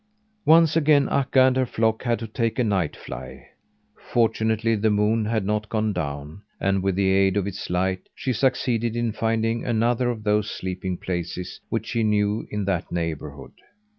Once again Akka and her flock had to take a night fly. Fortunately, the moon had not gone down; and with the aid of its light, she succeeded in finding another of those sleeping places which she knew in that neighbourhood.